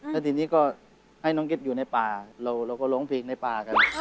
แล้วทีนี้ก็ให้น้องเก็ตอยู่ในป่าเราก็ร้องเพลงในป่ากัน